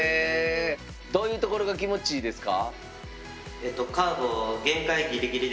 どういうところが気持ちいいですか？